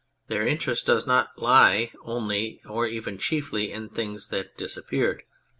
Their in terest does not lie only or even chiefly in things that disappeared.